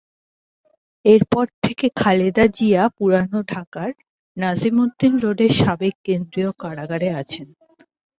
এরপর থেকে খালেদা জিয়া পুরান ঢাকার নাজিমুদ্দিন রোড়ের সাবেক কেন্দ্রীয় কারাগারে আছেন।